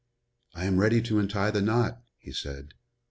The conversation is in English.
"I am ready to untie the knot," he said.